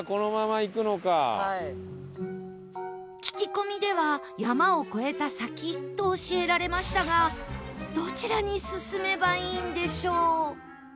聞き込みでは山を越えた先と教えられましたがどちらに進めばいいんでしょう？